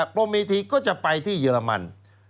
โปรเมธีก็จะไปที่เยอรมัน